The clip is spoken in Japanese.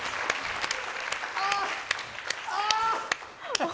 ああ！